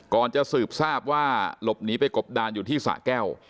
จะสืบทราบว่าหลบหนีไปกบดานอยู่ที่สะแก้ว